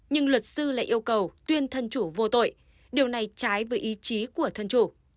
nhưng luật sư lại yêu cầu tuyên thân chủ vô tội điều này trái với ý chí của thân chủ